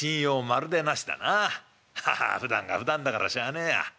まるでなしだな。ふだんがふだんだからしょうがねえや。